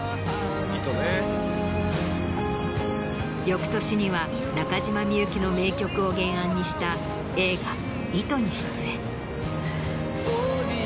翌年には中島みゆきの名曲を原案にした映画『糸』に出演。